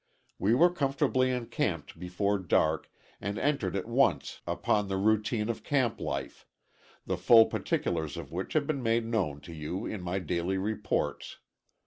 We were comfortably encamped before dark, and entered at once upon the routine of camp life, the full particulars of which have been made known to you in my daily reports.